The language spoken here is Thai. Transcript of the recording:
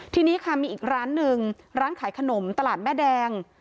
ทีนี้ค่ะมีอีกร้านหนึ่งร้านขายขนมตลาดแม่แดง